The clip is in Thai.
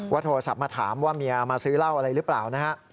โทรศัพท์มาถามว่าเมียมาซื้อเหล้าอะไรหรือเปล่านะฮะ